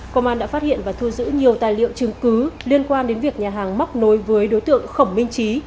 công an đã phát hiện và thu giữ nhiều tài liệu chứng cứ liên quan đến việc nhà hàng móc nối với đối tượng khổng minh trí